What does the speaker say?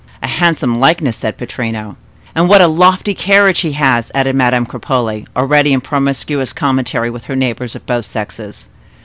"A handsome likeness!" said Pittrino. "And what a lofty carriage he has!" added Madame Cropole, already in promiscuous commentary with her neighbors of both sexes.